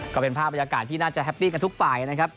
ก็เป็นภาพบรรยากาศที่น่าจะแฮปปี้กับทุกฝ่ายนะครับ